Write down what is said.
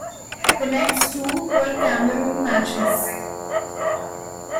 The next two were Cameroon matches.